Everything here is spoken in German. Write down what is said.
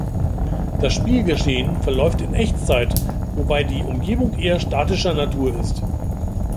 Das Spielgeschehen verläuft in Echtzeit, wobei die Umgebung eher statischer Natur ist.